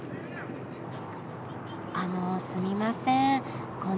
あのすみません